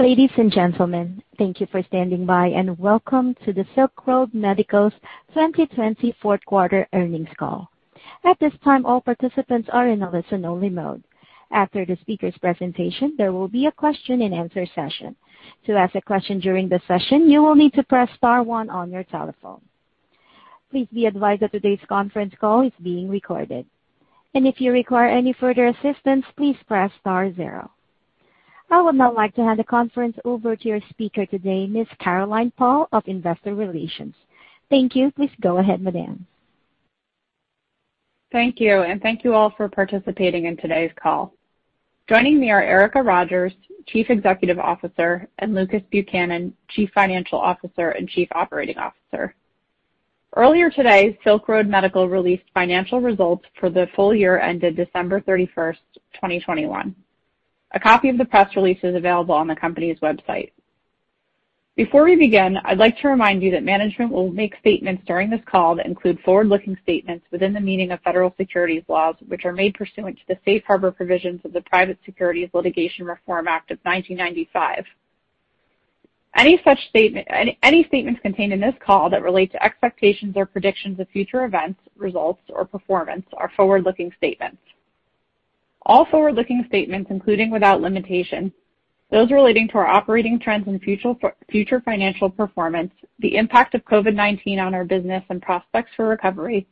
Ladies and gentlemen, thank you for standing by and welcome to the Silk Road Medical 2020 fourth quarter earnings call. At this time, all participants are in a listen-only mode. After the speaker's presentation, there will be a question-and-answer session. To ask a question during the session, you will need to press star one on your telephone. Please be advised that today's conference call is being recorded. If you require any further assistance, please press star zero. I would now like to hand the conference over to your speaker today, Ms. Caroline Paul of Investor Relations. Thank you. Please go ahead, Madam. Thank you. Thank you all for participating in today's call. Joining me are Erica Rogers, Chief Executive Officer, and Lucas Buchanan, Chief Financial Officer and Chief Operating Officer. Earlier today, Silk Road Medical released financial results for the full year ended December 31st, 2021. A copy of the press release is available on the company's website. Before we begin, I'd like to remind you that management will make statements during this call that include forward-looking statements within the meaning of federal securities laws, which are made pursuant to the Safe Harbor Provisions of the Private Securities Litigation Reform Act of 1995. Any statements contained in this call that relate to expectations or predictions of future events, results, or performance are forward-looking statements. All forward-looking statements, including without limitation, those relating to our operating trends and future financial performance, the impact of COVID-19 on our business and prospects for recovery,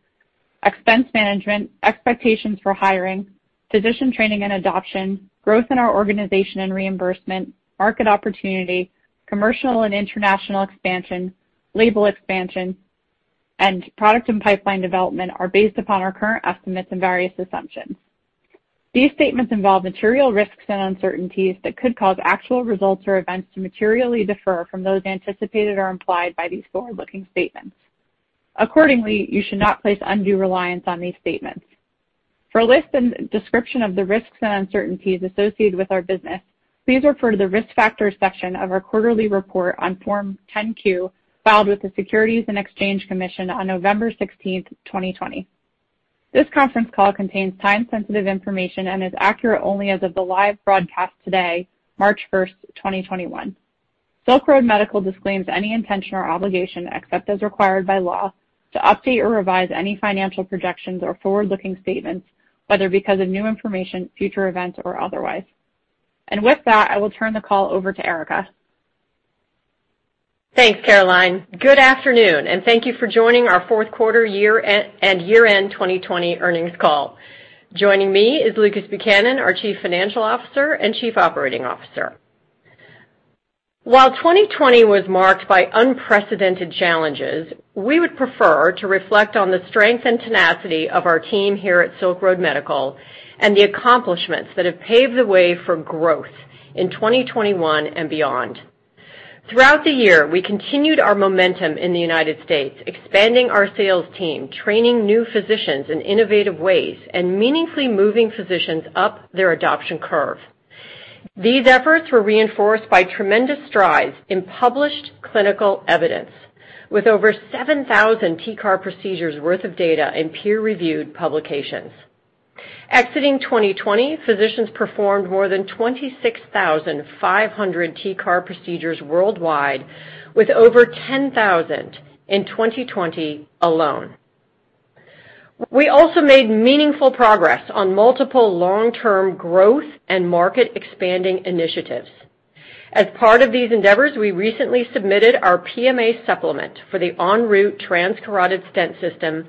expense management, expectations for hiring, physician training and adoption, growth in our organization and reimbursement, market opportunity, commercial and international expansion, label expansion, and product and pipeline development are based upon our current estimates and various assumptions. These statements involve material risks and uncertainties that could cause actual results or events to materially differ from those anticipated or implied by these forward-looking statements. Accordingly, you should not place undue reliance on these statements. For a list and description of the risks and uncertainties associated with our business, please refer to the risk factors section of our quarterly report on Form 10Q filed with the Securities and Exchange Commission on November 16th, 2020. This conference call contains time-sensitive information and is accurate only as of the live broadcast today, March 1st, 2021. Silk Road Medical disclaims any intention or obligation, except as required by law, to update or revise any financial projections or forward-looking statements, whether because of new information, future events, or otherwise. I will turn the call over to Erica. Thanks, Caroline. Good afternoon, and thank you for joining our Fourth Quarter Year End 2020 Earnings Call. Joining me is Lucas Buchanan, our Chief Financial Officer and Chief Operating Officer. While 2020 was marked by unprecedented challenges, we would prefer to reflect on the strength and tenacity of our team here at Silk Road Medical and the accomplishments that have paved the way for growth in 2021 and beyond. Throughout the year, we continued our momentum in the United States, expanding our sales team, training new physicians in innovative ways, and meaningfully moving physicians up their adoption curve. These efforts were reinforced by tremendous strides in published clinical evidence, with over 7,000 TCAR procedures' worth of data in peer-reviewed publications. Exiting 2020, physicians performed more than 26,500 TCAR procedures worldwide, with over 10,000 in 2020 alone. We also made meaningful progress on multiple long-term growth and market-expanding initiatives. As part of these endeavors, we recently submitted our PMA supplement for the ENROUTE Transcarotid Stent System,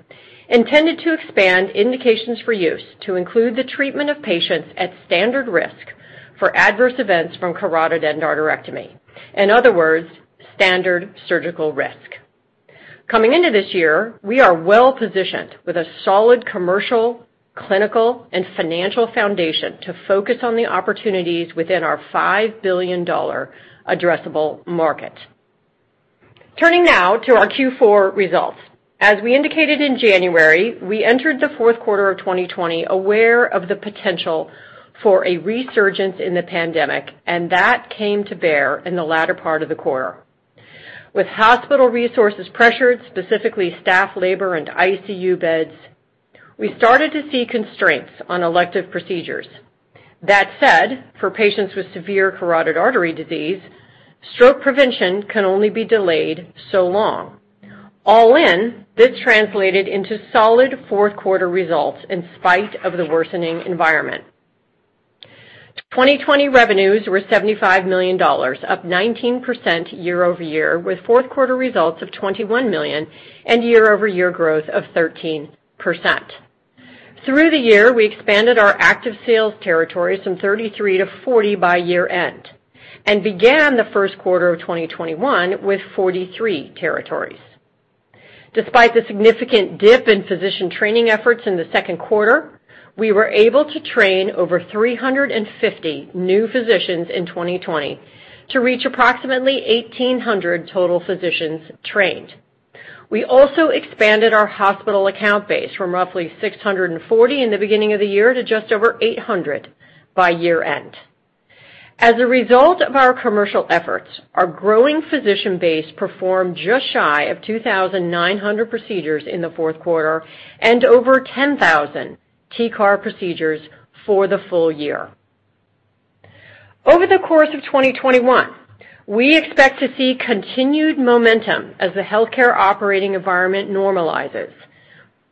intended to expand indications for use to include the treatment of patients at standard risk for adverse events from carotid endarterectomy. In other words, standard surgical risk. Coming into this year, we are well-positioned with a solid commercial, clinical, and financial foundation to focus on the opportunities within our $5 billion addressable market. Turning now to our Q4 results. As we indicated in January, we entered the fourth quarter of 2020 aware of the potential for a resurgence in the pandemic, and that came to bear in the latter part of the quarter. With hospital resources pressured, specifically staff, labor, and ICU beds, we started to see constraints on elective procedures. That said, for patients with severe carotid artery disease, stroke prevention can only be delayed so long. All in, this translated into solid fourth quarter results in spite of the worsening environment. 2020 revenues were $75 million, up 19% year-over-year, with fourth quarter results of $21 million and year-over-year growth of 13%. Through the year, we expanded our active sales territories from 33 to 40 by year-end and began the first quarter of 2021 with 43 territories. Despite the significant dip in physician training efforts in the second quarter, we were able to train over 350 new physicians in 2020 to reach approximately 1,800 total physicians trained. We also expanded our hospital account base from roughly 640 in the beginning of the year to just over 800 by year-end. As a result of our commercial efforts, our growing physician base performed just shy of 2,900 procedures in the fourth quarter and over 10,000 TCAR procedures for the full year. Over the course of 2021, we expect to see continued momentum as the healthcare operating environment normalizes.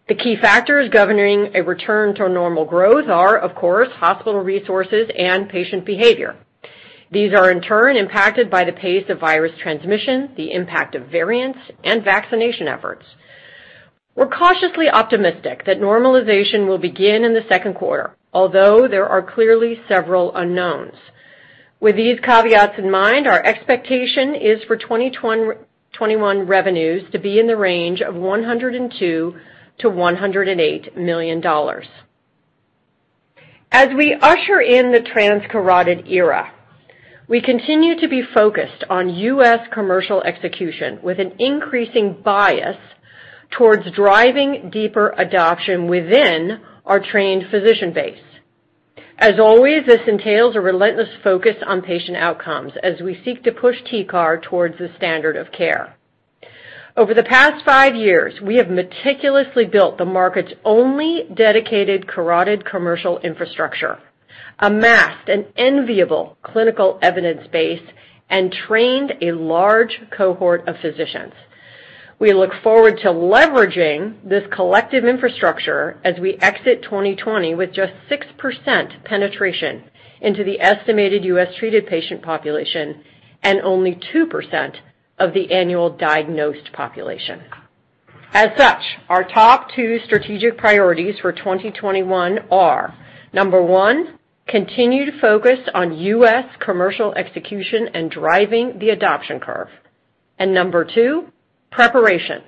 The key factors governing a return to normal growth are, of course, hospital resources and patient behavior. These are, in turn, impacted by the pace of virus transmission, the impact of variants, and vaccination efforts. We're cautiously optimistic that normalization will begin in the second quarter, although there are clearly several unknowns. With these caveats in mind, our expectation is for 2021 revenues to be in the range of $102 million-$108 million. As we usher in the transcarotid era, we continue to be focused on U.S. commercial execution with an increasing bias towards driving deeper adoption within our trained physician base. As always, this entails a relentless focus on patient outcomes as we seek to push TCAR towards the standard of care. Over the past five years, we have meticulously built the market's only dedicated carotid commercial infrastructure, amassed an enviable clinical evidence base, and trained a large cohort of physicians. We look forward to leveraging this collective infrastructure as we exit 2020 with just 6% penetration into the estimated U.S. treated patient population and only 2% of the annual diagnosed population. As such, our top two strategic priorities for 2021 are: number one, continued focus on U.S. commercial execution and driving the adoption curve; and number two, preparation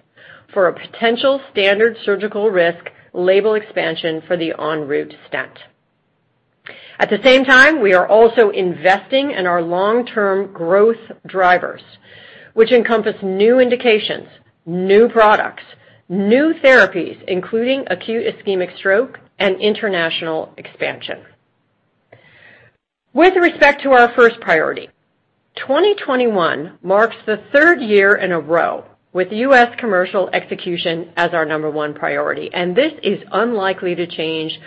for a potential standard surgical risk label expansion for the ENROUTE Stent. At the same time, we are also investing in our long-term growth drivers, which encompass new indications, new products, new therapies, including acute ischemic stroke and international expansion. With respect to our first priority, 2021 marks the third year in a row with U.S. Commercial execution as our number one priority, and this is unlikely to change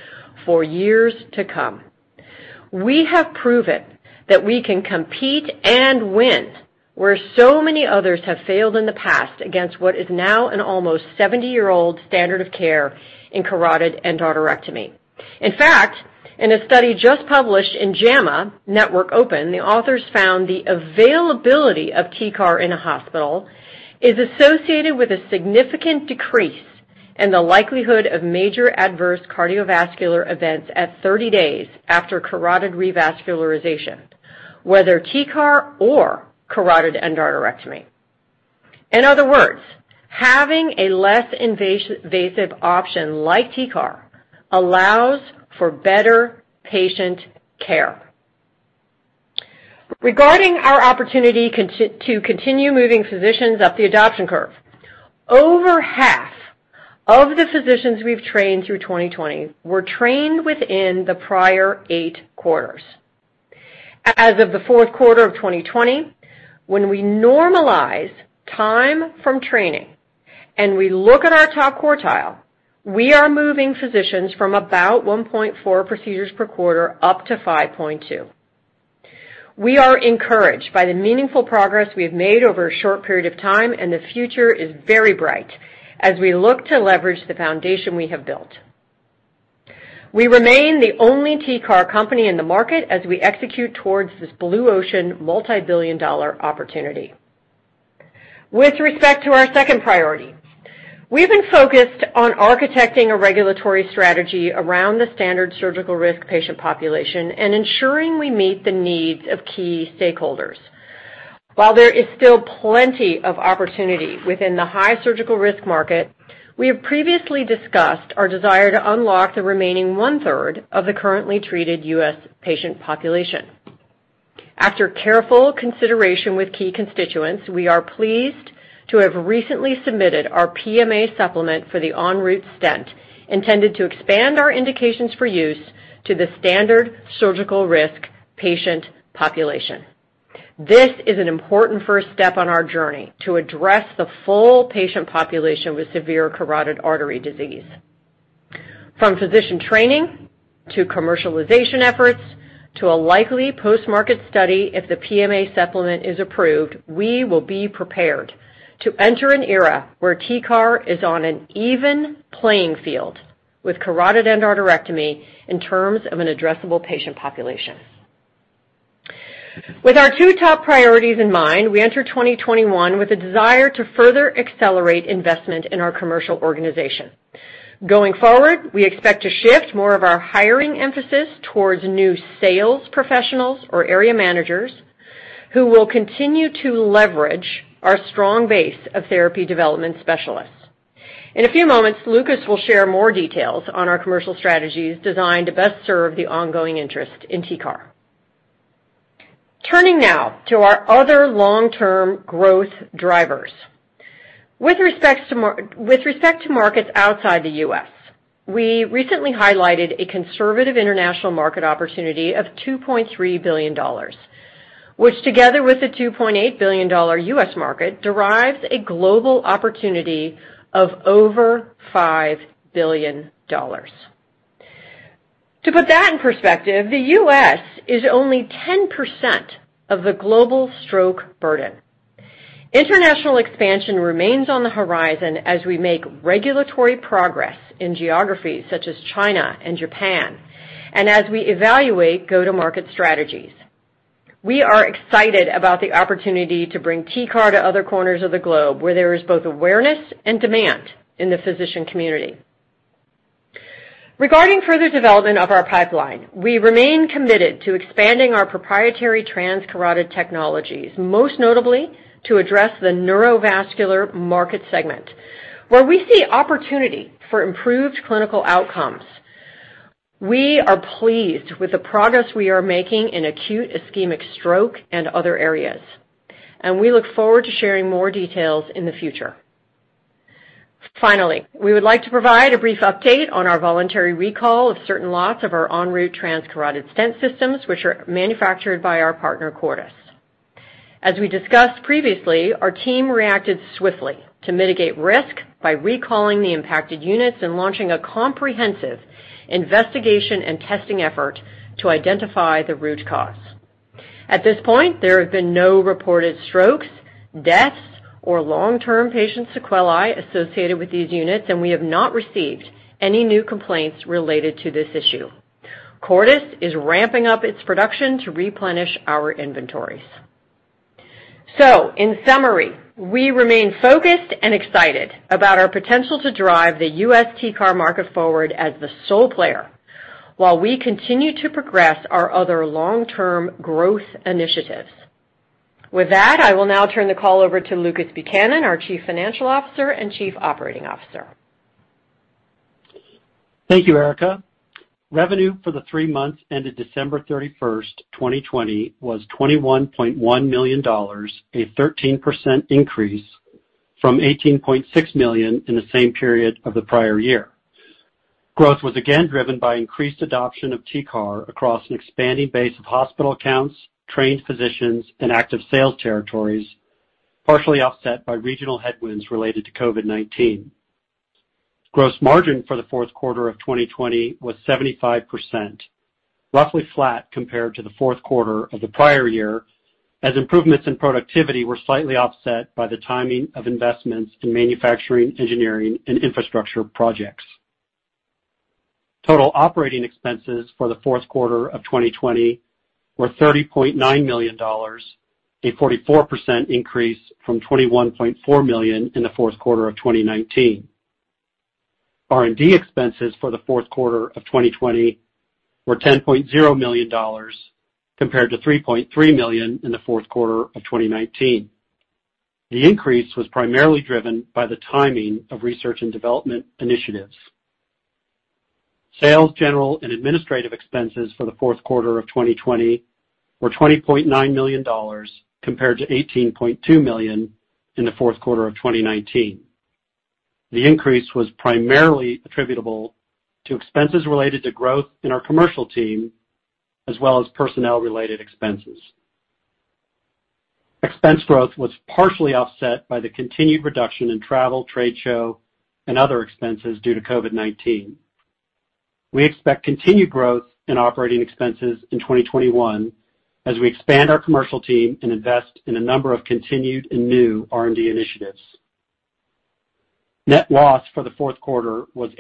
for years to come. We have proven that we can compete and win where so many others have failed in the past against what is now an almost 70-year-old standard of care in carotid endarterectomy. In fact, in a study just published in JAMA Network Open, the authors found the availability of TCAR in a hospital is associated with a significant decrease in the likelihood of major adverse cardiovascular events at 30 days after carotid revascularization, whether TCAR or carotid endarterectomy. In other words, having a less invasive option like TCAR allows for better patient care. Regarding our opportunity to continue moving physicians up the adoption curve, over half of the physicians we've trained through 2020 were trained within the prior eight quarters. As of the fourth quarter of 2020, when we normalize time from training and we look at our top quartile, we are moving physicians from about 1.4 procedures per quarter up to 5.2. We are encouraged by the meaningful progress we have made over a short period of time, and the future is very bright as we look to leverage the foundation we have built. We remain the only TCAR company in the market as we execute towards this blue ocean multi-billion dollar opportunity. With respect to our second priority, we've been focused on architecting a regulatory strategy around the standard surgical risk patient population and ensuring we meet the needs of key stakeholders. While there is still plenty of opportunity within the high surgical risk market, we have previously discussed our desire to unlock the remaining one-third of the currently treated U.S. patient population. After careful consideration with key constituents, we are pleased to have recently submitted our PMA supplement for the ENROUTE Stent intended to expand our indications for use to the standard surgical risk patient population. This is an important first step on our journey to address the full patient population with severe carotid artery disease. From physician training to commercialization efforts to a likely post-market study if the PMA supplement is approved, we will be prepared to enter an era where TCAR is on an even playing field with carotid endarterectomy in terms of an addressable patient population. With our two top priorities in mind, we enter 2021 with a desire to further accelerate investment in our commercial organization. Going forward, we expect to shift more of our hiring emphasis towards new sales professionals or area managers who will continue to leverage our strong base of therapy development specialists. In a few moments, Lucas will share more details on our commercial strategies designed to best serve the ongoing interest in TCAR. Turning now to our other long-term growth drivers. With respect to markets outside the U.S., we recently highlighted a conservative international market opportunity of $2.3 billion, which together with the $2.8 billion U.S. market derives a global opportunity of over $5 billion. To put that in perspective, the U.S. is only 10% of the global stroke burden. International expansion remains on the horizon as we make regulatory progress in geographies such as China and Japan and as we evaluate go-to-market strategies. We are excited about the opportunity to bring TCAR to other corners of the globe where there is both awareness and demand in the physician community. Regarding further development of our pipeline, we remain committed to expanding our proprietary transcarotid technologies, most notably to address the neurovascular market segment where we see opportunity for improved clinical outcomes. We are pleased with the progress we are making in acute ischemic stroke and other areas, and we look forward to sharing more details in the future. Finally, we would like to provide a brief update on our voluntary recall of certain lots of our ENROUTE Transcarotid Stent Systems, which are manufactured by our partner, Cordis. As we discussed previously, our team reacted swiftly to mitigate risk by recalling the impacted units and launching a comprehensive investigation and testing effort to identify the root cause. At this point, there have been no reported strokes, deaths, or long-term patient sequelae associated with these units, and we have not received any new complaints related to this issue. Cordis is ramping up its production to replenish our inventories. In summary, we remain focused and excited about our potential to drive the U.S. TCAR market forward as the sole player while we continue to progress our other long-term growth initiatives. With that, I will now turn the call over to Lucas Buchanan, our Chief Financial Officer and Chief Operating Officer. Thank you, Erica. Revenue for the three months ended December 31st, 2020 was $21.1 million, a 13% increase from $18.6 million in the same period of the prior year. Growth was again driven by increased adoption of TCAR across an expanding base of hospital accounts, trained physicians, and active sales territories, partially offset by regional headwinds related to COVID-19. Gross margin for the fourth quarter of 2020 was 75%, roughly flat compared to the fourth quarter of the prior year as improvements in productivity were slightly offset by the timing of investments in manufacturing, engineering, and infrastructure projects. Total operating expenses for the fourth quarter of 2020 were $30.9 million, a 44% increase from $21.4 million in the fourth quarter of 2019. R&D expenses for the fourth quarter of 2020 were $10.0 million compared to $3.3 million in the fourth quarter of 2019. The increase was primarily driven by the timing of research and development initiatives. Sales, general, and administrative expenses for the fourth quarter of 2020 were $20.9 million compared to $18.2 million in the fourth quarter of 2019. The increase was primarily attributable to expenses related to growth in our commercial team as well as personnel-related expenses. Expense growth was partially offset by the continued reduction in travel, trade show, and other expenses due to COVID-19. We expect continued growth in operating expenses in 2021 as we expand our commercial team and invest in a number of continued and new R&D initiatives. Net loss for the fourth quarter was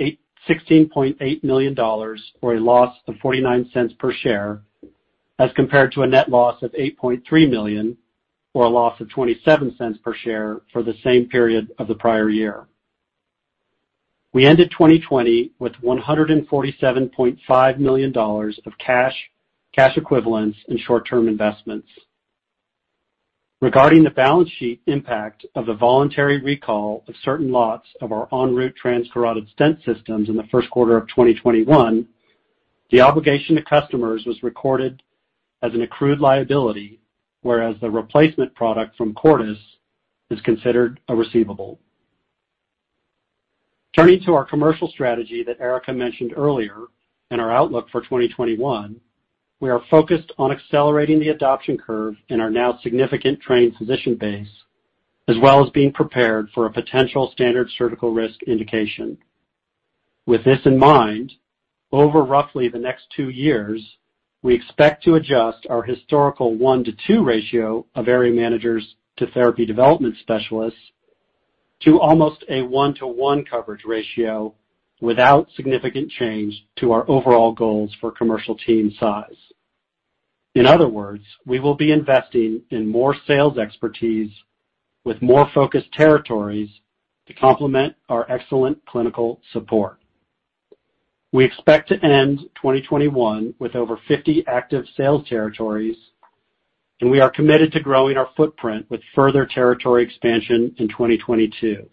$16.8 million for a loss of $0.49 per share as compared to a net loss of $8.3 million for a loss of $0.27 per share for the same period of the prior year. We ended 2020 with $147.5 million of cash, cash equivalents, and short-term investments. Regarding the balance sheet impact of the voluntary recall of certain lots of our ENROUTE Transcarotid Stent Systems in the first quarter of 2021, the obligation to customers was recorded as an accrued liability, whereas the replacement product from Cordis is considered a receivable. Turning to our commercial strategy that Erica mentioned earlier and our outlook for 2021, we are focused on accelerating the adoption curve in our now significant trained physician base as well as being prepared for a potential standard surgical risk indication. With this in mind, over roughly the next two years, we expect to adjust our historical one-to-two ratio of area managers to therapy development specialists to almost a one-to-one coverage ratio without significant change to our overall goals for commercial team size. In other words, we will be investing in more sales expertise with more focused territories to complement our excellent clinical support. We expect to end 2021 with over 50 active sales territories, and we are committed to growing our footprint with further territory expansion in 2022.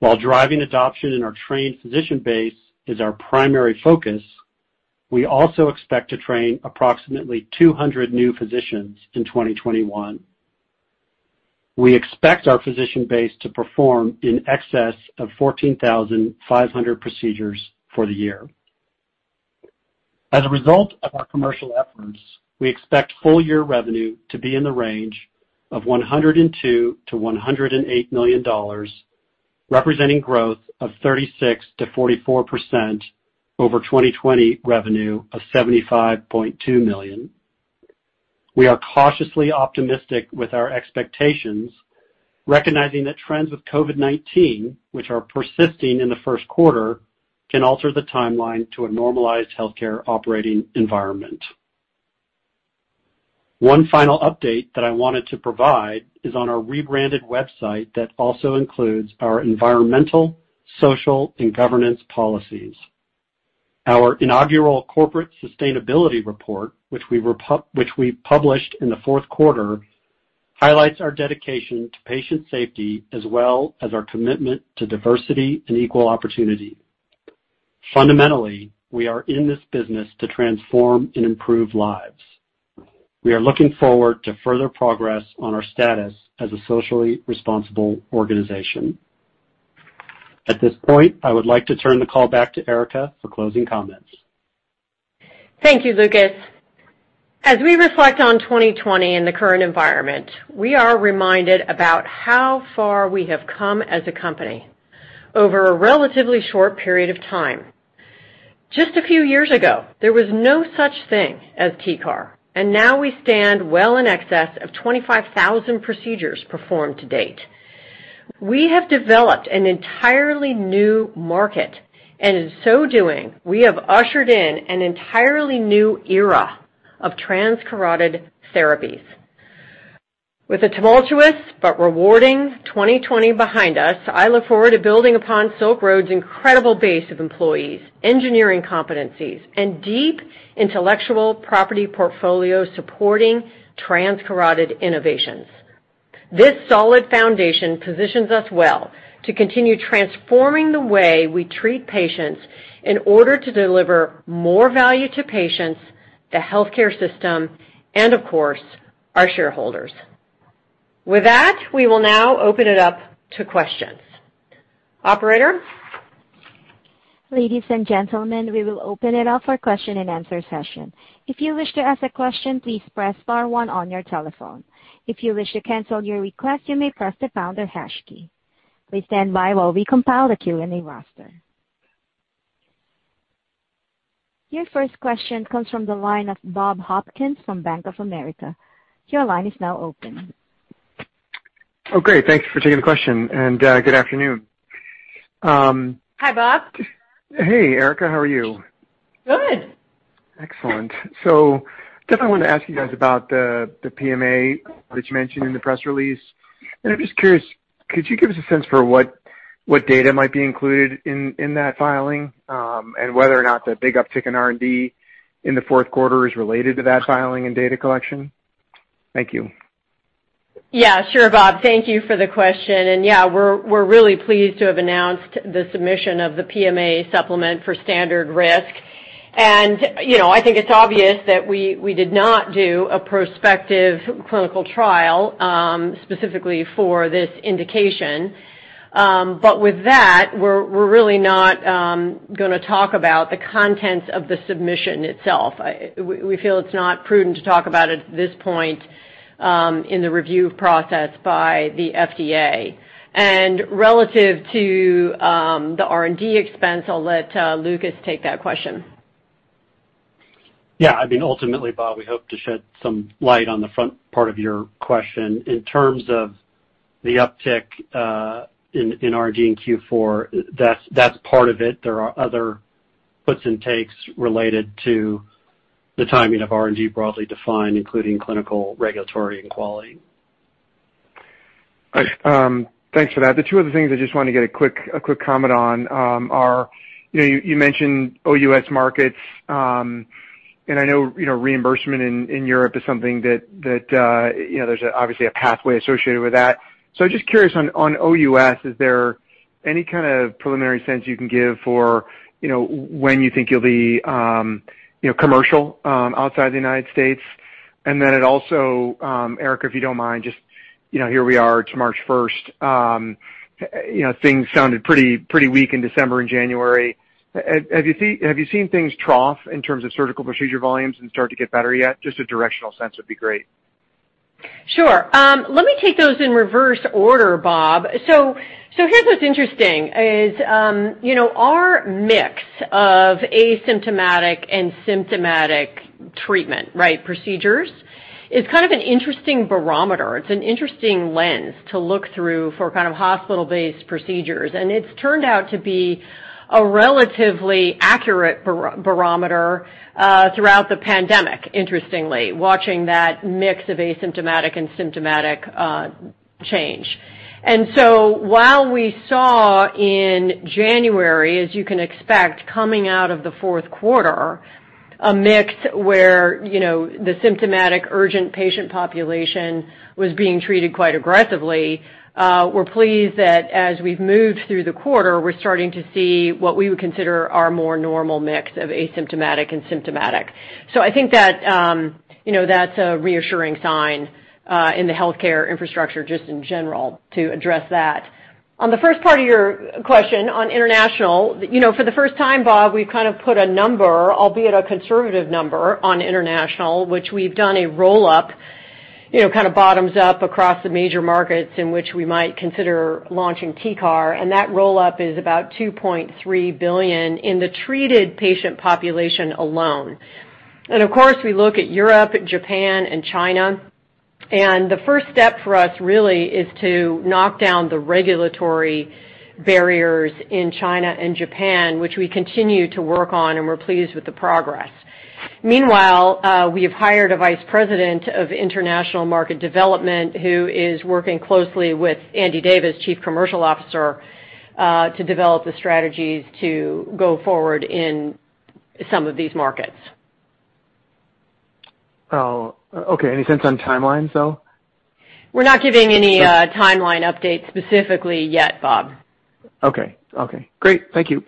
While driving adoption in our trained physician base is our primary focus, we also expect to train approximately 200 new physicians in 2021. We expect our physician base to perform in excess of 14,500 procedures for the year. As a result of our commercial efforts, we expect full-year revenue to be in the range of $102 million-$108 million, representing growth of 36%-44% over 2020 revenue of $75.2 million. We are cautiously optimistic with our expectations, recognizing that trends with COVID-19, which are persisting in the first quarter, can alter the timeline to a normalized healthcare operating environment. One final update that I wanted to provide is on our rebranded website that also includes our environmental, social, and governance policies. Our inaugural corporate sustainability report, which we published in the fourth quarter, highlights our dedication to patient safety as well as our commitment to diversity and equal opportunity. Fundamentally, we are in this business to transform and improve lives. We are looking forward to further progress on our status as a socially responsible organization. At this point, I would like to turn the call back to Erica for closing comments. Thank you, Lucas. As we reflect on 2020 and the current environment, we are reminded about how far we have come as a company over a relatively short period of time. Just a few years ago, there was no such thing as TCAR, and now we stand well in excess of 25,000 procedures performed to date. We have developed an entirely new market, and in so doing, we have ushered in an entirely new era of transcarotid therapies. With a tumultuous but rewarding 2020 behind us, I look forward to building upon Silk Road's incredible base of employees, engineering competencies, and deep intellectual property portfolio supporting transcarotid innovations. This solid foundation positions us well to continue transforming the way we treat patients in order to deliver more value to patients, the healthcare system, and, of course, our shareholders. With that, we will now open it up to questions. Operator. Ladies and gentlemen, we will open it up for question and answer session. If you wish to ask a question, please press star one on your telephone. If you wish to cancel your request, you may press the pound or hash key. Please stand by while we compile the Q&A roster. Your first question comes from the line of Bob Hopkins from Bank of America. Your line is now open. Oh, great. Thank you for taking the question, and good afternoon. Hi, Bob. Hey, Erica. How are you? Good. Excellent. I definitely wanted to ask you guys about the PMA that you mentioned in the press release. I'm just curious, could you give us a sense for what data might be included in that filing and whether or not the big uptick in R&D in the fourth quarter is related to that filing and data collection? Thank you. Yeah, sure, Bob. Thank you for the question. Yeah, we're really pleased to have announced the submission of the PMA supplement for standard risk. I think it's obvious that we did not do a prospective clinical trial specifically for this indication. With that, we're really not going to talk about the contents of the submission itself. We feel it's not prudent to talk about it at this point in the review process by the FDA. Relative to the R&D expense, I'll let Lucas take that question. Yeah. I mean, ultimately, Bob, we hope to shed some light on the front part of your question. In terms of the uptick in R&D in Q4, that's part of it. There are other puts and takes related to the timing of R&D broadly defined, including clinical, regulatory, and quality. Thanks for that. The two other things I just wanted to get a quick comment on are you mentioned OUS markets, and I know reimbursement in Europe is something that there's obviously a pathway associated with that. I'm just curious, on OUS, is there any kind of preliminary sense you can give for when you think you'll be commercial outside the United States? It also, Erica, if you do not mind, just here we are to March 1st. Things sounded pretty weak in December and January. Have you seen things trough in terms of surgical procedure volumes and start to get better yet? Just a directional sense would be great. Sure. Let me take those in reverse order, Bob. Here is what is interesting: our mix of asymptomatic and symptomatic treatment, right, procedures is kind of an interesting barometer. It is an interesting lens to look through for kind of hospital-based procedures. It has turned out to be a relatively accurate barometer throughout the pandemic, interestingly, watching that mix of asymptomatic and symptomatic change. While we saw in January, as you can expect, coming out of the fourth quarter, a mix where the symptomatic urgent patient population was being treated quite aggressively, we're pleased that as we've moved through the quarter, we're starting to see what we would consider our more normal mix of asymptomatic and symptomatic. I think that that's a reassuring sign in the healthcare infrastructure just in general to address that. On the first part of your question on international, for the first time, Bob, we've kind of put a number, albeit a conservative number, on international, which we've done a roll-up kind of bottoms up across the major markets in which we might consider launching TCAR. That roll-up is about $2.3 billion in the treated patient population alone. Of course, we look at Europe, Japan, and China. The first step for us really is to knock down the regulatory barriers in China and Japan, which we continue to work on, and we're pleased with the progress. Meanwhile, we have hired a Vice President of International Market Development who is working closely with Andy Davis, Chief Commercial Officer, to develop the strategies to go forward in some of these markets. Okay. Any sense on timelines, though? We're not giving any timeline updates specifically yet, Bob. Okay. Okay. Great. Thank you.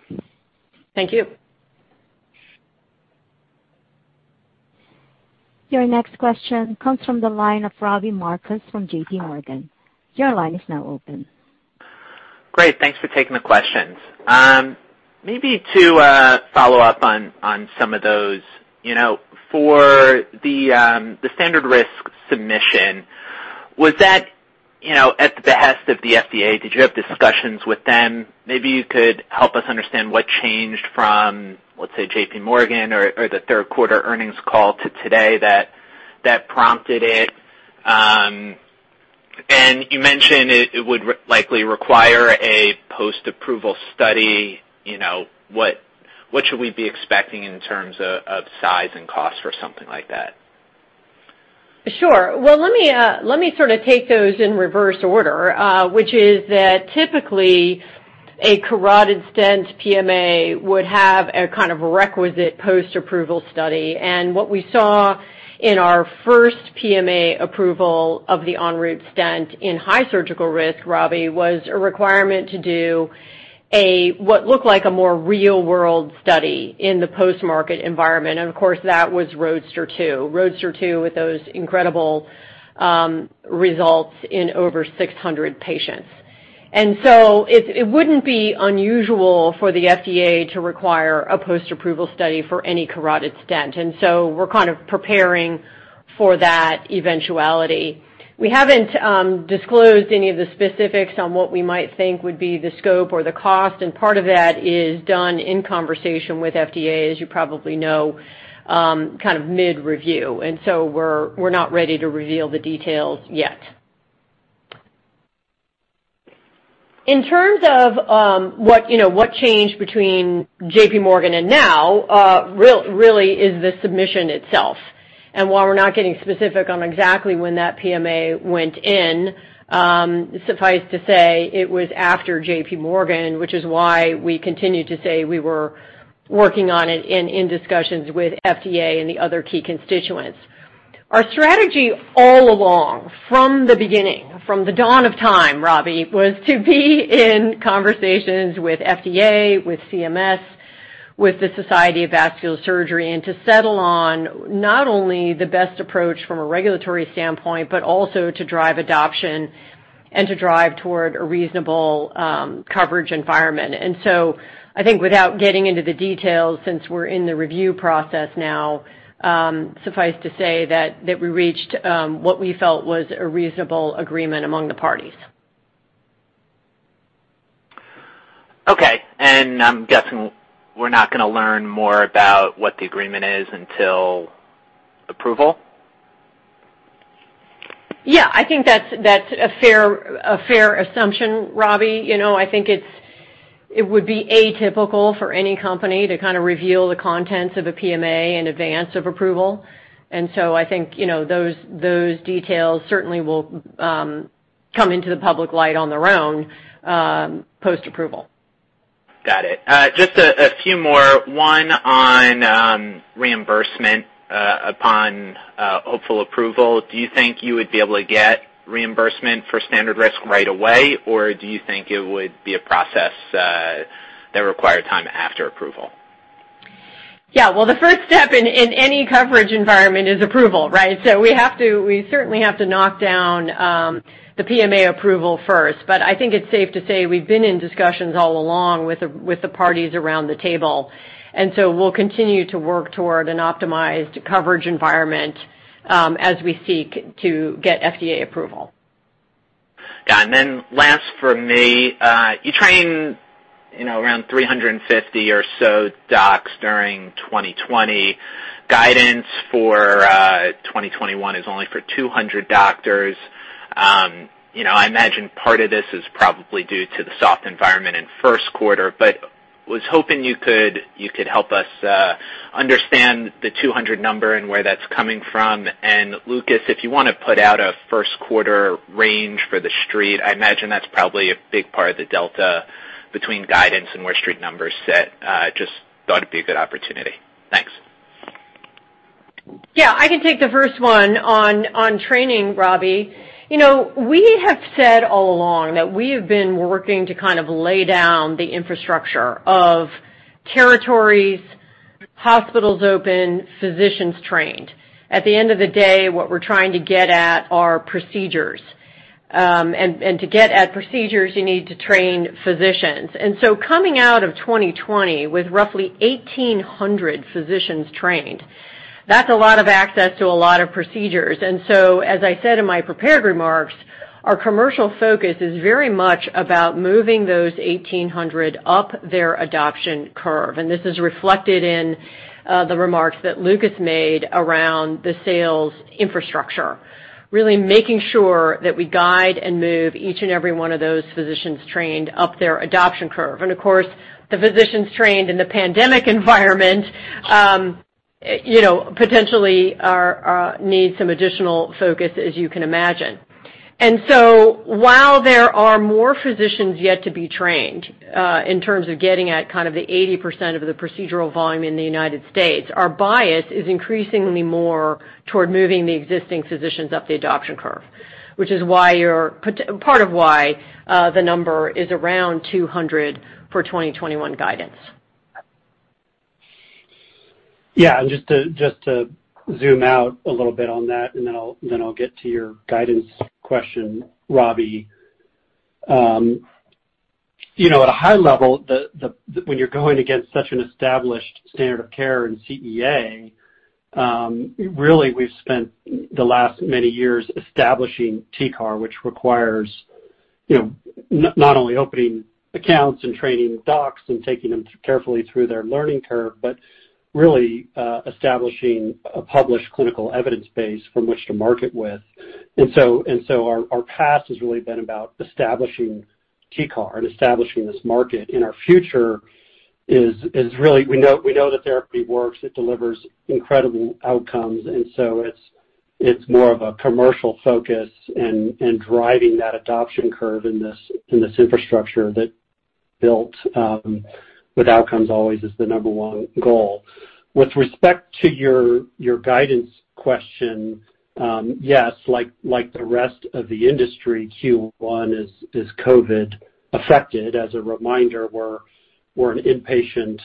Thank you. Your next question comes from the line of Robbie Marcus from JPMorgan. Your line is now open. Great. Thanks for taking the questions. Maybe to follow up on some of those, for the standard risk submission, was that at the behest of the FDA? Did you have discussions with them? Maybe you could help us understand what changed from, let's say, JPMorgan or the third quarter earnings call to today that prompted it. You mentioned it would likely require a post-approval study. What should we be expecting in terms of size and cost for something like that? Sure. Let me sort of take those in reverse order, which is that typically, a carotid stent PMA would have a kind of requisite post-approval study. What we saw in our first PMA approval of the ENROUTE Stent in high surgical risk, Robbie, was a requirement to do what looked like a more real-world study in the post-market environment. That was ROADSTER II, ROADSTER II with those incredible results in over 600 patients. It would not be unusual for the FDA to require a post-approval study for any carotid stent. We are kind of preparing for that eventuality. We have not disclosed any of the specifics on what we might think would be the scope or the cost. Part of that is done in conversation with FDA, as you probably know, kind of mid-review. We are not ready to reveal the details yet. In terms of what changed between JPMorgan and now, really, it is the submission itself. While we are not getting specific on exactly when that PMA went in, suffice to say, it was after JPMorgan, which is why we continue to say we were working on it and in discussions with FDA and the other key constituents. Our strategy all along, from the beginning, from the dawn of time, Robbie, was to be in conversations with FDA, with CMS, with the Society of Vascular Surgery, and to settle on not only the best approach from a regulatory standpoint, but also to drive adoption and to drive toward a reasonable coverage environment. I think without getting into the details, since we're in the review process now, suffice to say that we reached what we felt was a reasonable agreement among the parties. Okay. I'm guessing we're not going to learn more about what the agreement is until approval? Yeah. I think that's a fair assumption, Robbie. I think it would be atypical for any company to kind of reveal the contents of a PMA in advance of approval. I think those details certainly will come into the public light on their own post-approval. Got it. Just a few more. One on reimbursement upon hopeful approval. Do you think you would be able to get reimbursement for standard risk right away, or do you think it would be a process that required time after approval? Yeah. The first step in any coverage environment is approval, right? We certainly have to knock down the PMA approval first. I think it's safe to say we've been in discussions all along with the parties around the table. We will continue to work toward an optimized coverage environment as we seek to get FDA approval. Yeah. Last for me, you trained around 350 or so docs during 2020. Guidance for 2021 is only for 200 doctors. I imagine part of this is probably due to the soft environment in first quarter, but was hoping you could help us understand the 200 number and where that's coming from. And Lucas, if you want to put out a first quarter range for the street, I imagine that's probably a big part of the delta between guidance and where street numbers sit. Just thought it'd be a good opportunity. Thanks. Yeah. I can take the first one on training, Robbie. We have said all along that we have been working to kind of lay down the infrastructure of territories, hospitals open, physicians trained. At the end of the day, what we're trying to get at are procedures. To get at procedures, you need to train physicians. Coming out of 2020 with roughly 1,800 physicians trained, that's a lot of access to a lot of procedures. As I said in my prepared remarks, our commercial focus is very much about moving those 1,800 up their adoption curve. This is reflected in the remarks that Lucas made around the sales infrastructure, really making sure that we guide and move each and every one of those physicians trained up their adoption curve. Of course, the physicians trained in the pandemic environment potentially need some additional focus, as you can imagine. While there are more physicians yet to be trained in terms of getting at kind of the 80% of the procedural volume in the United States, our bias is increasingly more toward moving the existing physicians up the adoption curve, which is part of why the number is around 200 for 2021 guidance. Yeah. To zoom out a little bit on that, and then I'll get to your guidance question, Robbie. At a high level, when you're going against such an established standard of care and CEA, really, we've spent the last many years establishing TCAR, which requires not only opening accounts and training docs and taking them carefully through their learning curve, but really establishing a published clinical evidence base from which to market with. Our past has really been about establishing TCAR and establishing this market. Our future is really we know that therapy works. It delivers incredible outcomes. It is more of a commercial focus and driving that adoption curve in this infrastructure that built with outcomes always as the number one goal. With respect to your guidance question, yes, like the rest of the industry, Q1 is COVID-affected. As a reminder, we're an inpatient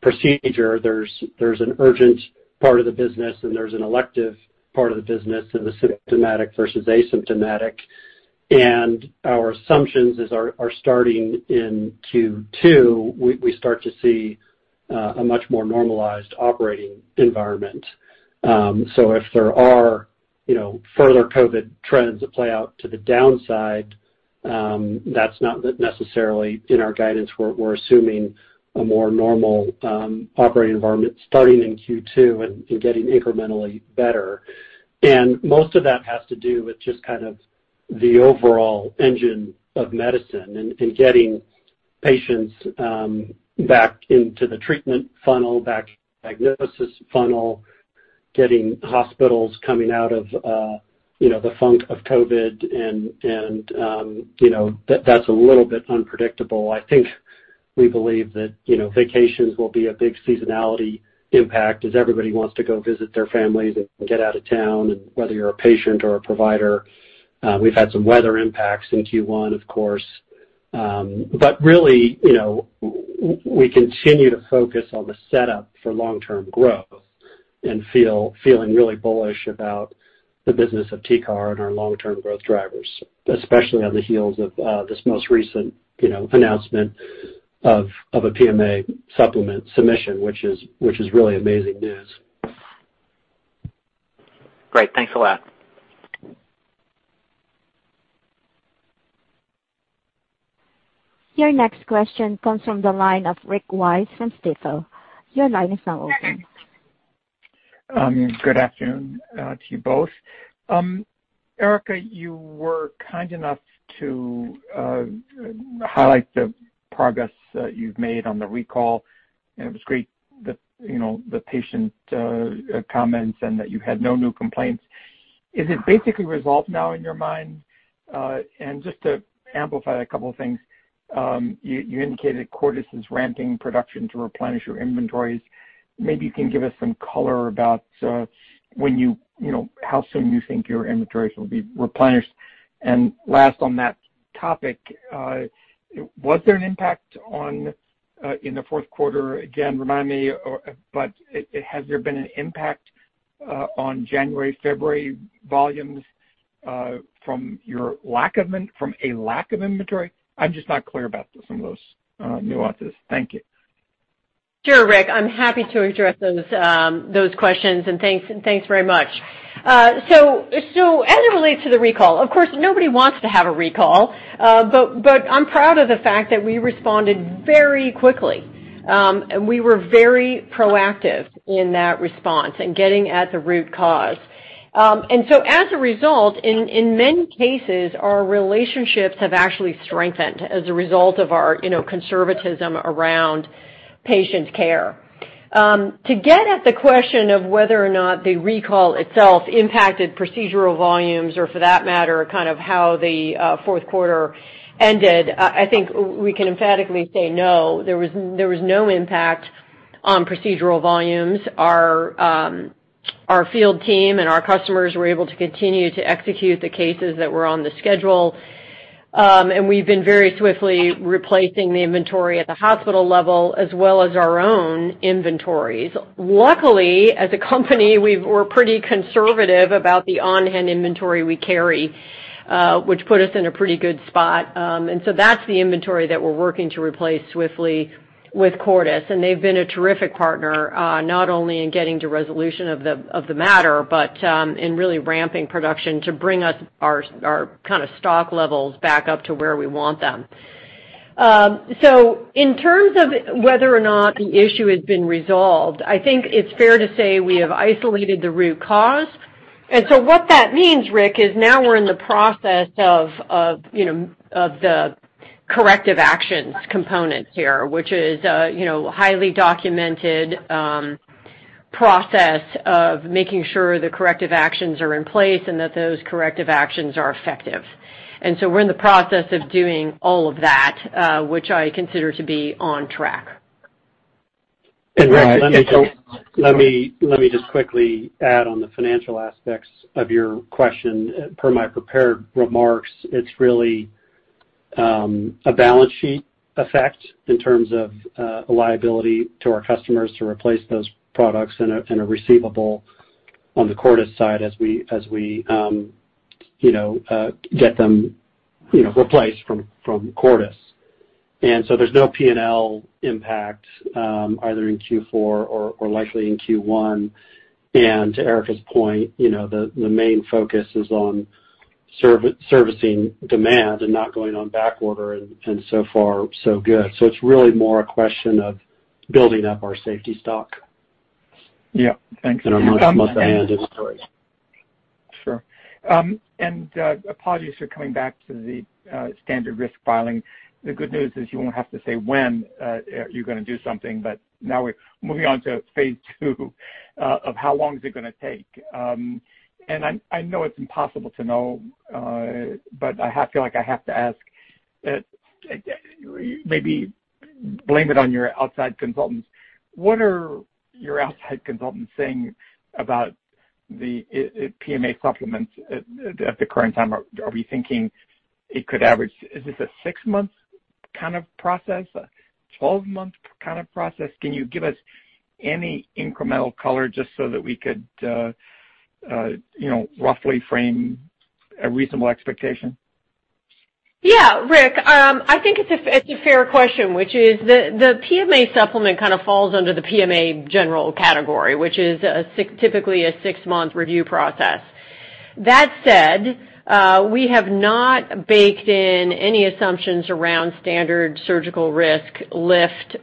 procedure. There's an urgent part of the business, and there's an elective part of the business, and the symptomatic versus asymptomatic. Our assumptions are starting in Q2, we start to see a much more normalized operating environment. If there are further COVID trends that play out to the downside, that's not necessarily in our guidance. We're assuming a more normal operating environment starting in Q2 and getting incrementally better. Most of that has to do with just kind of the overall engine of medicine and getting patients back into the treatment funnel, back diagnosis funnel, getting hospitals coming out of the funk of COVID. That's a little bit unpredictable. I think we believe that vacations will be a big seasonality impact as everybody wants to go visit their families and get out of town. Whether you're a patient or a provider, we've had some weather impacts in Q1, of course. Really, we continue to focus on the setup for long-term growth and feeling really bullish about the business of TCAR and our long-term growth drivers, especially on the heels of this most recent announcement of a PMA supplement submission, which is really amazing news. Great. Thanks a lot. Your next question comes from the line of Rick Wise from Stifel. Your line is now open. Good afternoon to you both. Erica, you were kind enough to highlight the progress that you've made on the recall. It was great that the patient comments and that you had no new complaints. Is it basically resolved now in your mind? Just to amplify a couple of things, you indicated Cordis is ramping production to replenish your inventories. Maybe you can give us some color about when you, how soon you think your inventories will be replenished. And last on that topic, was there an impact in the fourth quarter? Again, remind me, but has there been an impact on January, February volumes from a lack of inventory? I'm just not clear about some of those nuances. Thank you. Sure, Rick. I'm happy to address those questions. And thanks very much. As it relates to the recall, of course, nobody wants to have a recall. I'm proud of the fact that we responded very quickly. We were very proactive in that response and getting at the root cause. As a result, in many cases, our relationships have actually strengthened as a result of our conservatism around patient care. To get at the question of whether or not the recall itself impacted procedural volumes or for that matter, kind of how the fourth quarter ended, I think we can emphatically say no. There was no impact on procedural volumes. Our field team and our customers were able to continue to execute the cases that were on the schedule. We have been very swiftly replacing the inventory at the hospital level as well as our own inventories. Luckily, as a company, we're pretty conservative about the on-hand inventory we carry, which put us in a pretty good spot. That is the inventory that we're working to replace swiftly with Cordis. They have been a terrific partner, not only in getting to resolution of the matter, but in really ramping production to bring us our kind of stock levels back up to where we want them. In terms of whether or not the issue has been resolved, I think it's fair to say we have isolated the root cause. What that means, Rick, is now we're in the process of the corrective actions component here, which is a highly documented process of making sure the corrective actions are in place and that those corrective actions are effective. We're in the process of doing all of that, which I consider to be on track. Rick, let me just quickly add on the financial aspects of your question. Per my prepared remarks, it's really a balance sheet effect in terms of liability to our customers to replace those products and a receivable on the Cordis side as we get them replaced from Cordis. There's no P&L impact either in Q4 or likely in Q1. To Erica's point, the main focus is on servicing demand and not going on back order, and so far, so good. It is really more a question of building up our safety stock. Yeah. Thanks. I'll just add inventory. Sure. Apologies for coming back to the standard risk filing. The good news is you will not have to say when you are going to do something. Now we are moving on to phase two of how long is it going to take. I know it is impossible to know, but I feel like I have to ask. Maybe blame it on your outside consultants. What are your outside consultants saying about the PMA supplements at the current time? Are we thinking it could average? Is this a six-month kind of process, a 12-month kind of process? Can you give us any incremental color just so that we could roughly frame a reasonable expectation? Yeah, Rick. I think it's a fair question, which is the PMA supplement kind of falls under the PMA general category, which is typically a six-month review process. That said, we have not baked in any assumptions around standard surgical risk lift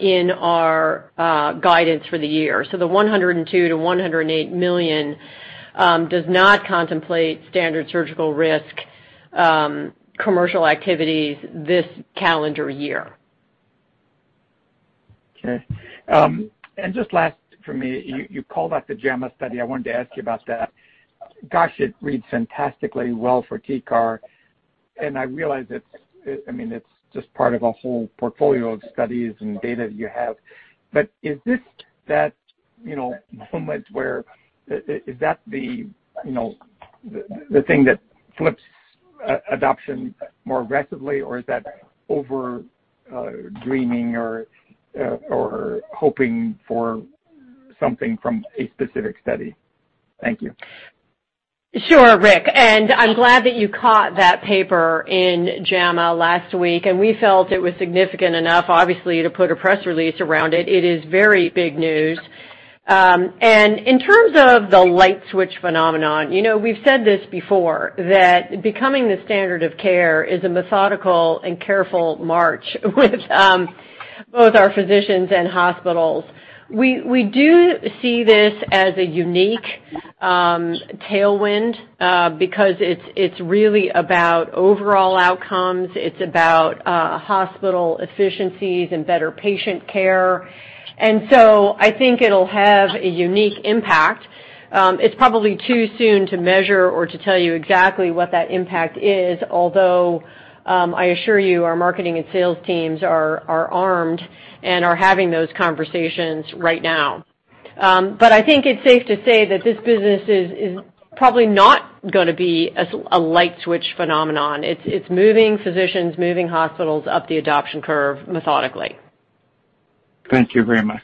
in our guidance for the year. So the $102 million-$108 million does not contemplate standard surgical risk commercial activities this calendar year. Okay. And just last for me, you called out the JAMA study. I wanted to ask you about that. Gosh, it reads fantastically well for TCAR. And I realize it's, I mean, it's just part of a whole portfolio of studies and data that you have. Is this that moment where is that the thing that flips adoption more aggressively, or is that over dreaming or hoping for something from a specific study? Thank you. Sure, Rick. I'm glad that you caught that paper in JAMA last week. We felt it was significant enough, obviously, to put a press release around it. It is very big news. In terms of the light switch phenomenon, we've said this before, that becoming the standard of care is a methodical and careful march with both our physicians and hospitals. We do see this as a unique tailwind because it's really about overall outcomes. It's about hospital efficiencies and better patient care. I think it'll have a unique impact. It's probably too soon to measure or to tell you exactly what that impact is, although I assure you our marketing and sales teams are armed and are having those conversations right now. I think it's safe to say that this business is probably not going to be a light switch phenomenon. It's moving physicians, moving hospitals up the adoption curve methodically. Thank you very much.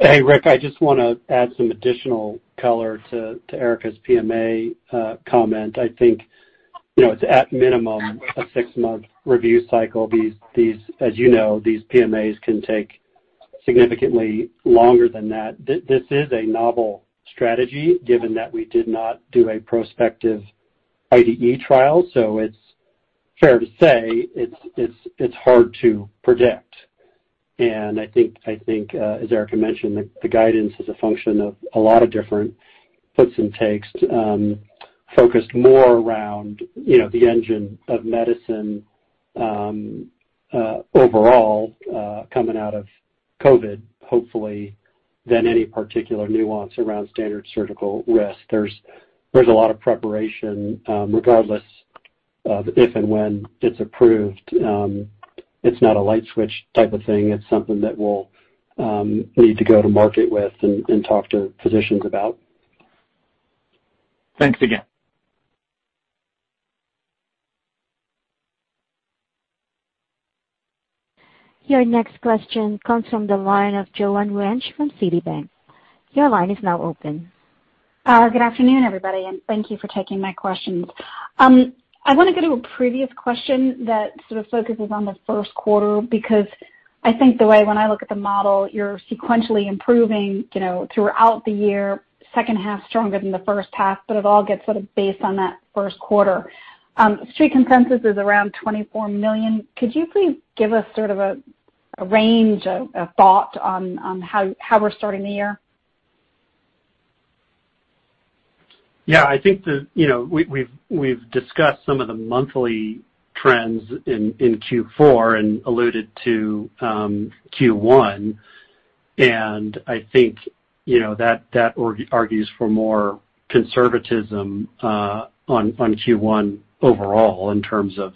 Hey, Rick, I just want to add some additional color to Erica's PMA comment. I think it's at minimum a six-month review cycle. As you know, these PMAs can take significantly longer than that. This is a novel strategy given that we did not do a prospective IDE trial. It's fair to say it's hard to predict. I think, as Erica mentioned, the guidance is a function of a lot of different puts and takes focused more around the engine of medicine overall coming out of COVID, hopefully, than any particular nuance around standard surgical risk. There is a lot of preparation regardless of if and when it is approved. It is not a light switch type of thing. It is something that we will need to go to market with and talk to physicians about. Thanks again. Your next question comes from the line of Joanne Wuensch from Citibank. Your line is now open. Good afternoon, everybody. Thank you for taking my questions. I want to go to a previous question that sort of focuses on the first quarter because I think the way when I look at the model, you are sequentially improving throughout the year, second half stronger than the first half. It all gets sort of based on that first quarter. Street consensus is around $24 million. Could you please give us sort of a range of thought on how we're starting the year? Yeah. I think we've discussed some of the monthly trends in Q4 and alluded to Q1. I think that argues for more conservatism on Q1 overall in terms of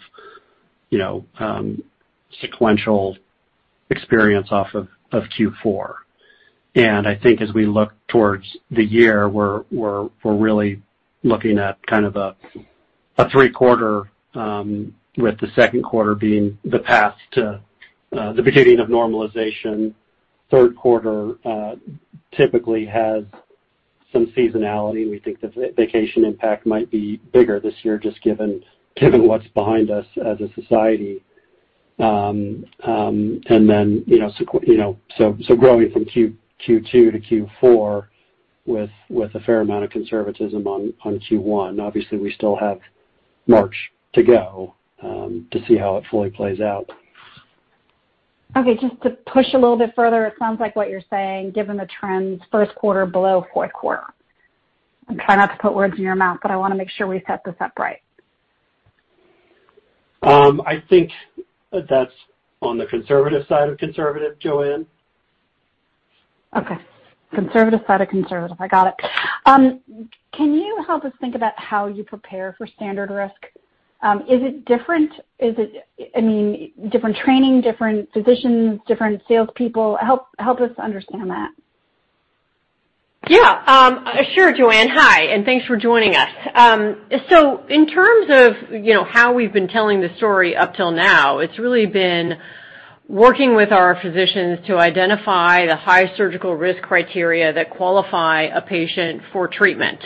sequential experience off of Q4. I think as we look towards the year, we're really looking at kind of a three-quarter with the second quarter being the path to the beginning of normalization. Third quarter typically has some seasonality. We think the vacation impact might be bigger this year just given what's behind us as a society. Growing from Q2 to Q4 with a fair amount of conservatism on Q1. Obviously, we still have March to go to see how it fully plays out. Okay. Just to push a little bit further, it sounds like what you're saying, given the trends, first quarter below fourth quarter. I'm trying not to put words in your mouth, but I want to make sure we set this up right. I think that's on the conservative side of conservative, Joanne. Okay. Conservative side of conservative. I got it. Can you help us think about how you prepare for standard risk? Is it different? I mean, different training, different physicians, different salespeople? Help us understand that. Yeah. Sure, Joanne. Hi. And thanks for joining us. In terms of how we've been telling the story up till now, it's really been working with our physicians to identify the high surgical risk criteria that qualify a patient for treatment.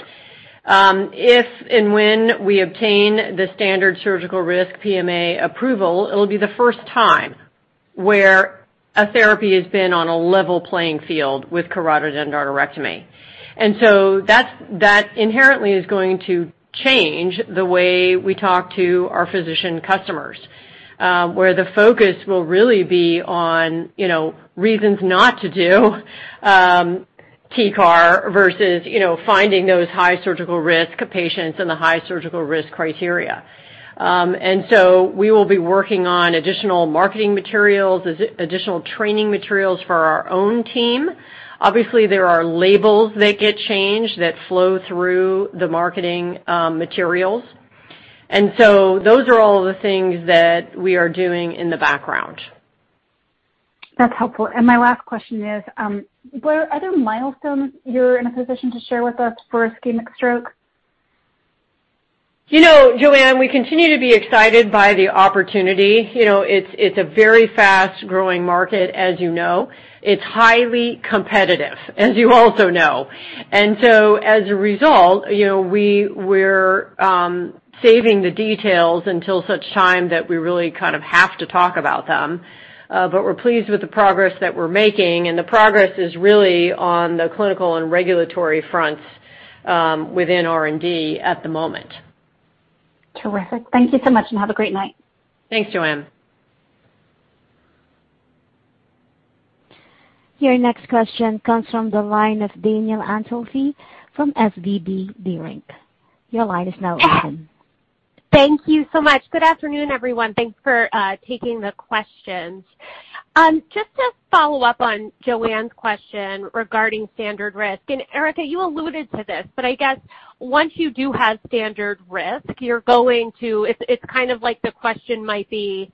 If and when we obtain the standard surgical risk PMA approval, it'll be the first time where a therapy has been on a level playing field with carotid endarterectomy. That inherently is going to change the way we talk to our physician customers, where the focus will really be on reasons not to do TCAR versus finding those high surgical risk patients and the high surgical risk criteria. We will be working on additional marketing materials, additional training materials for our own team. Obviously, there are labels that get changed that flow through the marketing materials. Those are all the things that we are doing in the background. That's helpful. My last question is, were there other milestones you're in a position to share with us for ischemic stroke? Joanne, we continue to be excited by the opportunity. It's a very fast-growing market, as you know. It's highly competitive, as you also know. As a result, we're saving the details until such time that we really kind of have to talk about them. We're pleased with the progress that we're making. The progress is really on the clinical and regulatory fronts within R&D at the moment. Terrific. Thank you so much and have a great night. Thanks, Joanne. Your next question comes from the line of Danielle Antalffy from SVB Leerink. Your line is now open. Thank you so much. Good afternoon, everyone. Thanks for taking the questions. Just to follow up on Joanne's question regarding standard risk. Erica, you alluded to this, but I guess once you do have standard risk, you're going to, it's kind of like the question might be,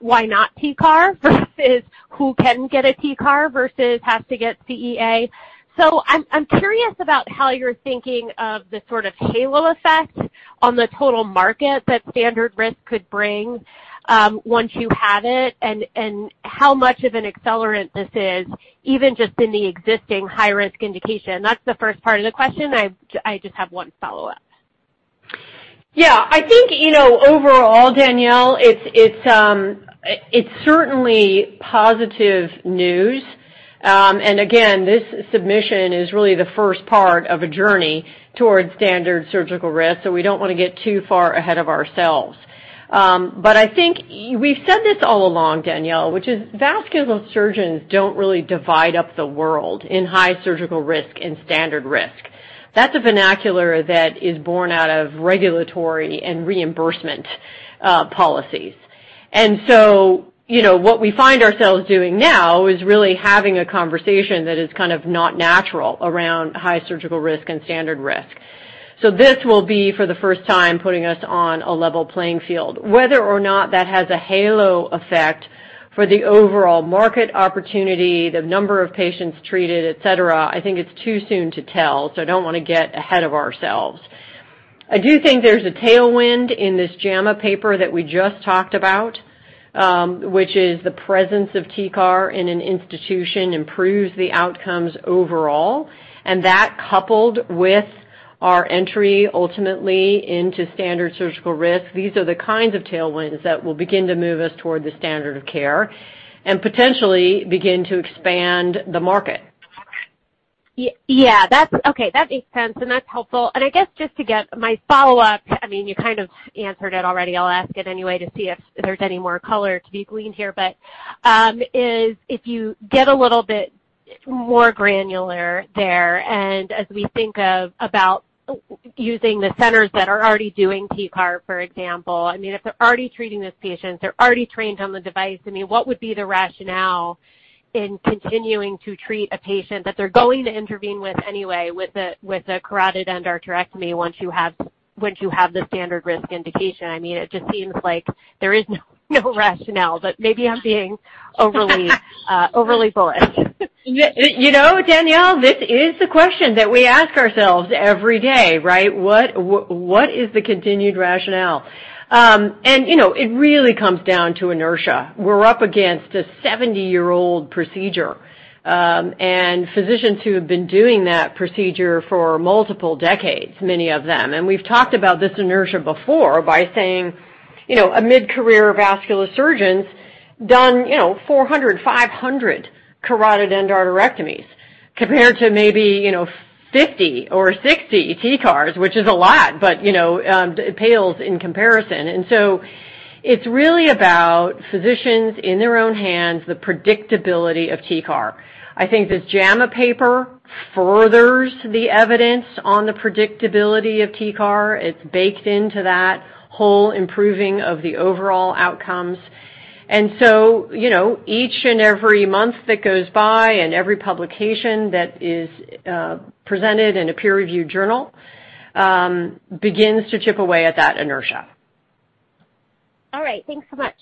"Why not TCAR?" versus "Who can get a TCAR?" versus "Has to get CEA?" I'm curious about how you're thinking of the sort of halo effect on the total market that standard risk could bring once you have it and how much of an accelerant this is, even just in the existing high-risk indication. That's the first part of the question. I just have one follow-up. Yeah, I think overall, Danielle, it's certainly positive news. Again, this submission is really the first part of a journey towards standard surgical risk. We don't want to get too far ahead of ourselves. I think we've said this all along, Danielle, which is vascular surgeons don't really divide up the world in high surgical risk and standard risk. That's a vernacular that is born out of regulatory and reimbursement policies. What we find ourselves doing now is really having a conversation that is kind of not natural around high surgical risk and standard risk. This will be, for the first time, putting us on a level playing field. Whether or not that has a halo effect for the overall market opportunity, the number of patients treated, etc., I think it's too soon to tell. I don't want to get ahead of ourselves. I do think there's a tailwind in this JAMA paper that we just talked about, which is the presence of TCAR in an institution improves the outcomes overall. That, coupled with our entry ultimately into standard surgical risk, these are the kinds of tailwinds that will begin to move us toward the standard of care and potentially begin to expand the market. Yeah. Okay. That makes sense. That's helpful. I guess just to get my follow-up, I mean, you kind of answered it already. I'll ask it anyway to see if there's any more color to be gleaned here. If you get a little bit more granular there, and as we think about using the centers that are already doing TCAR, for example, I mean, if they're already treating these patients, they're already trained on the device, what would be the rationale in continuing to treat a patient that they're going to intervene with anyway with a carotid endarterectomy once you have the standard risk indication? I mean, it just seems like there is no rationale. But maybe I'm being overly bullish. Danielle, this is the question that we ask ourselves every day, right? What is the continued rationale? It really comes down to inertia. We're up against a 70-year-old procedure and physicians who have been doing that procedure for multiple decades, many of them. We've talked about this inertia before by saying a mid-career vascular surgeon's done 400, 500 carotid endarterectomies compared to maybe 50 or 60 TCARs, which is a lot, but it pales in comparison. It's really about physicians in their own hands, the predictability of TCAR. I think this JAMA paper furthers the evidence on the predictability of TCAR. It's baked into that whole improving of the overall outcomes. Each and every month that goes by and every publication that is presented in a peer-reviewed journal begins to chip away at that inertia. All right. Thanks so much.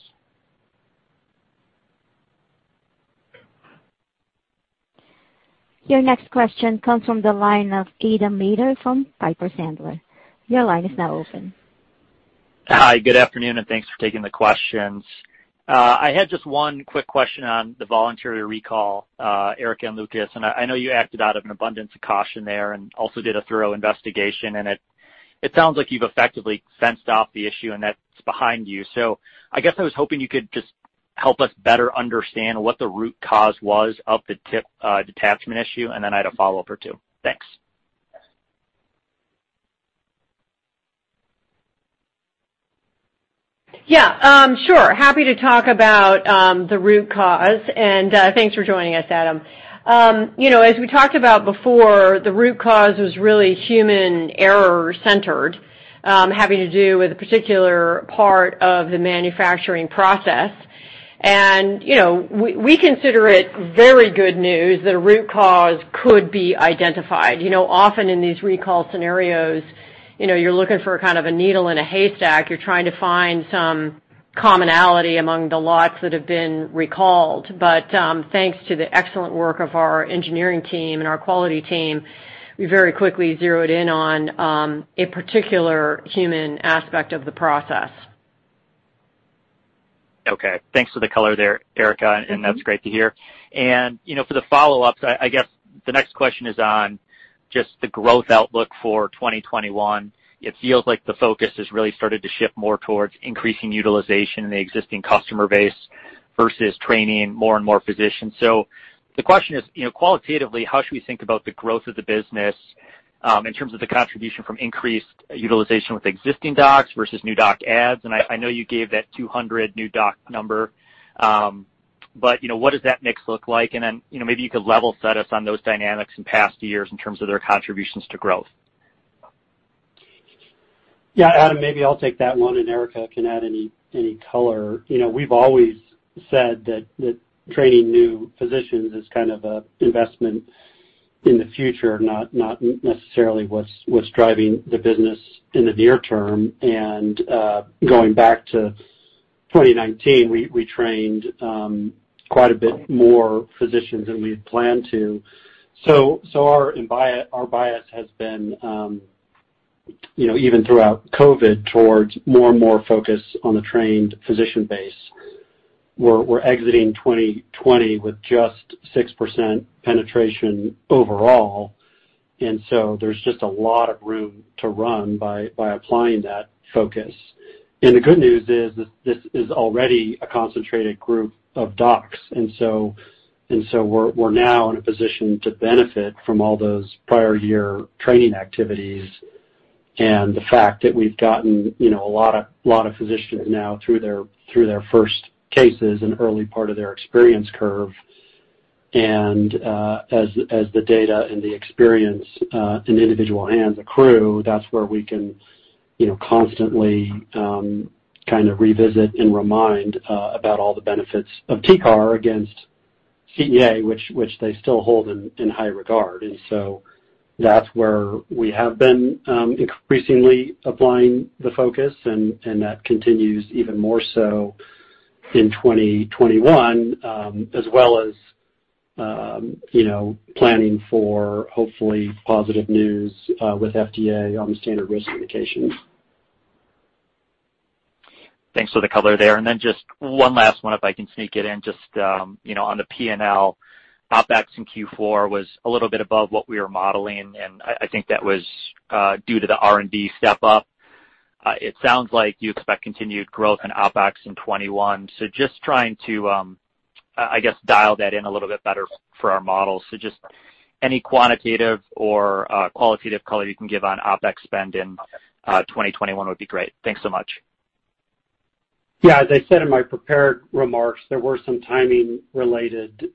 Your next question comes from the line of Adam Maeder from Piper Sandler. Your line is now open. Hi. Good afternoon, and thanks for taking the questions. I had just one quick question on the voluntary recall, Erica and Lucas. I know you acted out of an abundance of caution there and also did a thorough investigation. It sounds like you've effectively fenced off the issue and that's behind you. I was hoping you could just help us better understand what the root cause was of the tip detachment issue. I had a follow-up or two. Thanks. Yeah. Sure. Happy to talk about the root cause. Thanks for joining us, Adam. As we talked about before, the root cause was really human error-centered, having to do with a particular part of the manufacturing process. We consider it very good news that a root cause could be identified. Often in these recall scenarios, you're looking for kind of a needle in a haystack. You're trying to find some commonality among the lots that have been recalled. Thanks to the excellent work of our engineering team and our quality team, we very quickly zeroed in on a particular human aspect of the process. Okay. Thanks for the color there, Erica. That's great to hear. For the follow-ups, I guess the next question is on just the growth outlook for 2021. It feels like the focus has really started to shift more towards increasing utilization in the existing customer base versus training more and more physicians. The question is, qualitatively, how should we think about the growth of the business in terms of the contribution from increased utilization with existing docs versus new doc adds? I know you gave that 200 new doc number. What does that mix look like? Maybe you could level set us on those dynamics in past years in terms of their contributions to growth. Yeah. Adam, maybe I'll take that one. Erica can add any color. We've always said that training new physicians is kind of an investment in the future, not necessarily what's driving the business in the near term. Going back to 2019, we trained quite a bit more physicians than we had planned to. Our bias has been, even throughout COVID, towards more and more focus on the trained physician base. We're exiting 2020 with just 6% penetration overall. There is just a lot of room to run by applying that focus. The good news is this is already a concentrated group of docs. We are now in a position to benefit from all those prior-year training activities and the fact that we have gotten a lot of physicians now through their first cases and early part of their experience curve. As the data and the experience in individual hands accrue, that is where we can constantly kind of revisit and remind about all the benefits of TCAR against CEA, which they still hold in high regard. That is where we have been increasingly applying the focus. That continues even more so in 2021, as well as planning for hopefully positive news with FDA on the standard risk indications. Thanks for the color there. Then just one last one, if I can sneak it in, just on the P&L, OpEx in Q4 was a little bit above what we were modeling. I think that was due to the R&D step-up. It sounds like you expect continued growth in OpEx in 2021. Just trying to, I guess, dial that in a little bit better for our model. Just any quantitative or qualitative color you can give on OpEx spend in 2021 would be great. Thanks so much. Yeah. As I said in my prepared remarks, there were some timing-related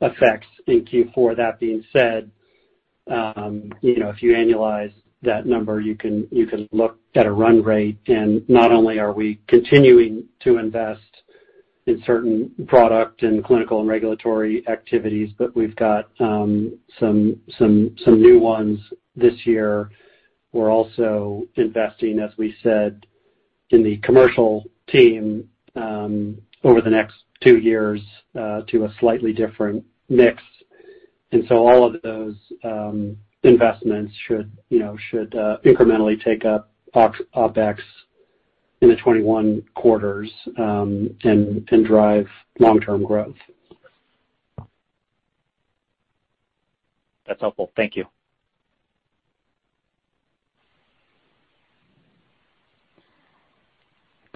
effects in Q4. That being said, if you annualize that number, you can look at a run rate. Not only are we continuing to invest in certain product and clinical and regulatory activities, but we've got some new ones this year. We're also investing, as we said, in the commercial team over the next two years to a slightly different mix. All of those investments should incrementally take up OpEx in the 2021 quarters and drive long-term growth. That's helpful. Thank you.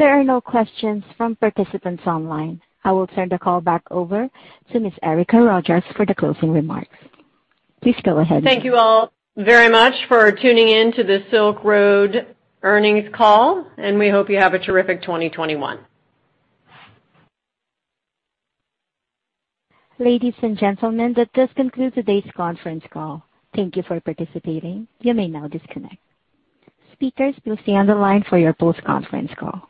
There are no questions from participants online. I will turn the call back over to Ms. Erica Rogers for the closing remarks. Please go ahead. Thank you all very much for tuning in to the Silk Road earnings call. We hope you have a terrific 2021. Ladies and gentlemen, this does conclude today's conference call. Thank you for participating. You may now disconnect. Speakers will stay on the line for your post-conference call.